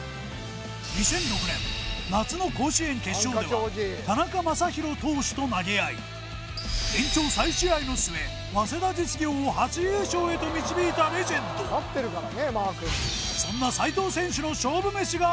２００６年夏の甲子園決勝では田中将大投手と投げ合い延長再試合の末早稲田実業を初優勝へと導いたレジェンドどこここ？